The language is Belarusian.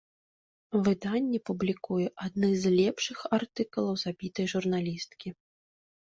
Выданне публікуе адны з лепшых артыкулаў забітай журналісткі.